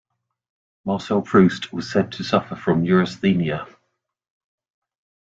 Marcel Proust was said to suffer from neurasthenia.